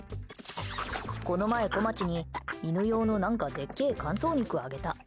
この前、こまちに犬用の何かでっけー乾燥肉あげた。